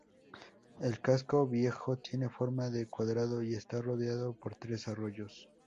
El casco viejo tiene forma de cuadrado y está rodeado por tres arroyos.